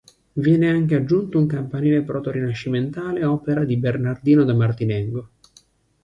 Viene anche aggiunto un campanile proto-rinascimentale, opera di Bernardino da Martinengo.